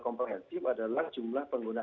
komprehensif adalah jumlah pengguna